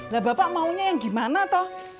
nah bapak maunya yang gimana toh